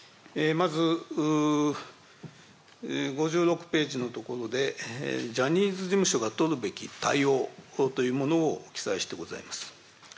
まず、５６ページのところで、ジャニーズ事務所が取るべき対応というものを記載してございます。